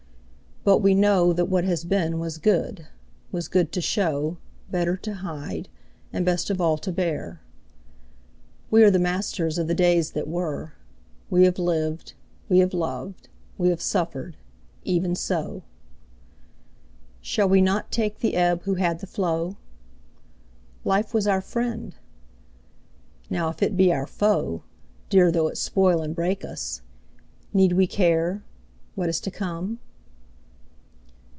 But we know That what has been was good was good to show, Better to hide, and best of all to bear. We are the masters of the days that were; We have lived, we have loved, we have suffered...even so. Shall we not take the ebb who had the flow? Life was our friend? Now, if it be our foe Dear, though it spoil and break us! need we care What is to come?